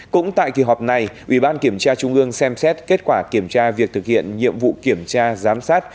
cũng tại kỳ họp này ủy ban kiểm tra trung ương xem xét kết quả kiểm tra việc thực hiện nhiệm vụ kiểm tra giám sát